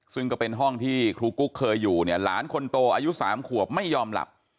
ซึ่งก็เป็นห้องที่ครูกุ๊กเคยอยู่เนี่ยหลานคนโตอายุ๓ขวบไม่ยอมหลับ